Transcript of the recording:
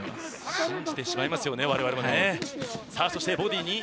信じてしまいますよね、我々も。